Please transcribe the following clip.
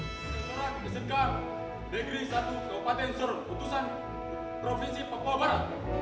menpora kesengkang degri satu kabupaten sur kutusan provinsi papua barat